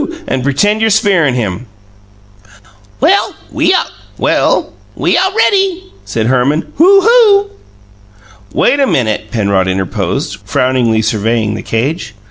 and pretend you're spearin' him." "Well, we aw ready!" said Herman. "Hoo! Hoo!" "Wait a minute," Penrod interposed, frowningly surveying the cage.